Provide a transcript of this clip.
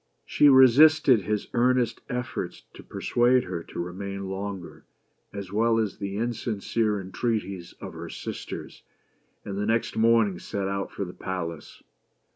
She resisted his earnest efforts to persuade her to remain longer, as well as the insincere entreaties of her sisters, and the next morning set out for the palace.